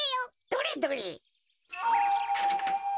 どれどれ？